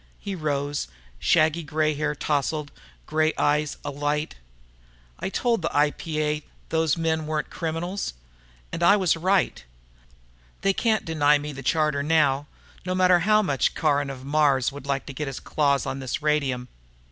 He rose, shaggy grey hair tousled, grey eyes alight. "I told the IPA those men weren't criminals. And I was right. They can't deny me the charter now. No matter how much Caron of Mars would like to get his claws on this radium."